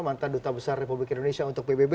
mantan duta besar republik indonesia untuk pbb